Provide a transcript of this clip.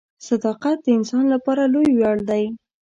• صداقت د انسان لپاره لوی ویاړ دی.